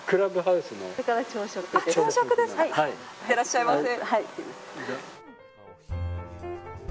いってらっしゃいませ。